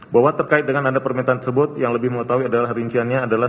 bahwa terkait dengan ada permintaan tersebut yang lebih mengetahui adalah rinciannya adalah